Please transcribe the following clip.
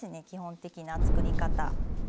基本的な作り方。